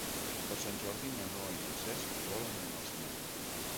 Per Sant Jordi na Noa i en Cesc volen anar al cinema.